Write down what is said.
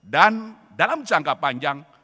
dan dalam jangka panjang